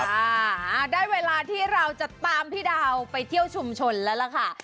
อ่าได้เวลาที่เราจะตามพี่ดาวไปเที่ยวชุมชนแล้วล่ะค่ะ